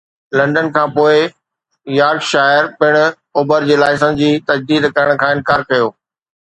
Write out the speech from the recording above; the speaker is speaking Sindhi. لنڊن کان پوء، يارڪشائر پڻ Uber جي لائسنس جي تجديد ڪرڻ کان انڪار ڪيو